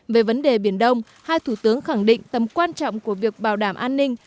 về vấn đề biển đông hai thủ tướng khẳng định tầm quan trọng của việc bảo đảm an ninh